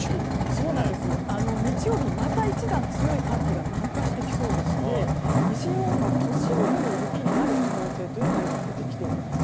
日曜日、また一段強い寒気が南下してきそうでして西日本の都市部でも雪になる可能性が出てきています。